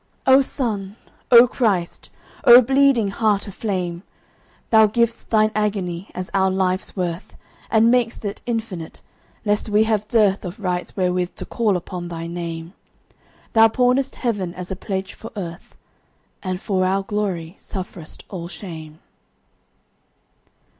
O Sun, O Christ, O bleeding Heart of flame! Thou giv'st Thine agony as our life's worth, And mak'st it infinite, lest we have dearthOf rights wherewith to call upon thy Name; Thou pawnest Heaven as a pledge for Earth, And for our glory sufferest all shame.